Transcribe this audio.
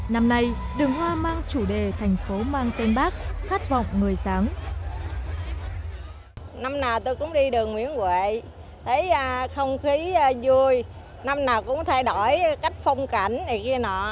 năm nay đường hoa mang chủ đề thành phố mang tên bác khát vọng người sáng